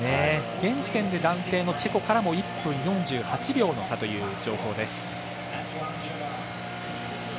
現時点で暫定のチェコからも１分４８秒という差の情報です。